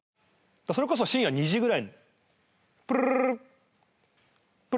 それこそ深夜２時ぐらい。